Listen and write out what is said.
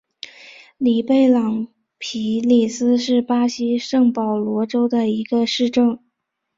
里贝朗皮里斯是巴西圣保罗州的一个市镇。